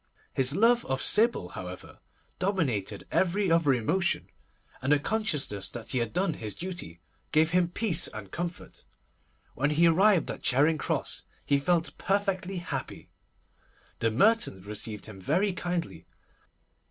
His love of Sybil, however, dominated every other emotion, and the consciousness that he had done his duty gave him peace and comfort. When he arrived at Charing Cross, he felt perfectly happy. The Mertons received him very kindly.